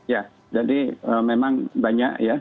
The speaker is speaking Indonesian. ya jadi memang banyak ya